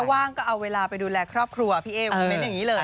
ว่างก็เอาเวลาไปดูแลครอบครัวพี่เอ๊คอมเมนต์อย่างนี้เลย